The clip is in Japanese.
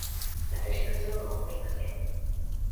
私はそうは思いません。